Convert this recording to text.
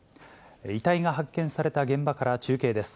遺体が発見された現場から中継です。